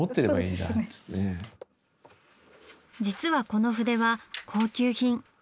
実はこの筆は高級品。